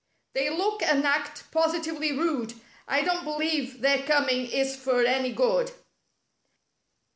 " They look and act positively rude. I don't believe their coming is for any good."